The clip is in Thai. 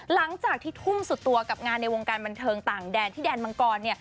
หลังจากที่ทุ่มสุดตัวกับงานในวงการบันเทิงต่างแดนที่แดนมังกร